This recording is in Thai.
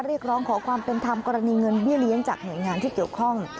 เรียกร้องขอความเป็นธรรมกรณีเงินเบี้ยเลี้ยงจากหน่วยงานที่เกี่ยวข้อง